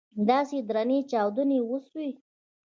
داسې درنې چاودنې وسوې.